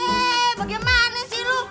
ehh bagaimana sih lu